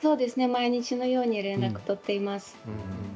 毎日のように連絡取っています。